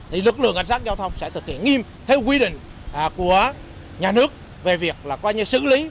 thì lực lượng cảnh sát giao thông sẽ thực hiện nghiêm theo quy định của nhà nước về việc xử lý